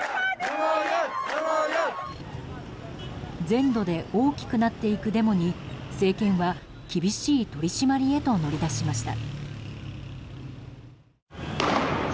全土で大きくなっていくデモに政権は厳しい取り締まりへと乗り出しました。